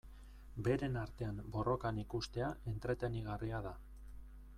Beren artean borrokan ikustea entretenigarria da.